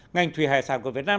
ngành thủy hải sản của việt nam